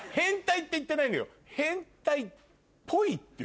って言ってんのよ。